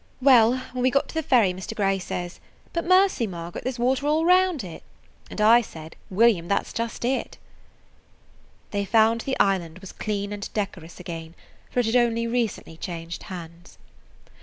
"Well, when we got to the ferry, Mr. Grey says, 'But mercy, Margaret, there 's water all round it!' and I said, 'William, that 's just it.'" They found that the island was clean and decorous again, for it had only recently changed hands.